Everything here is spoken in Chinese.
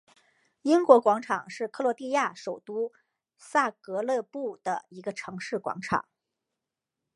英国广场是克罗地亚首都萨格勒布的一个城市广场。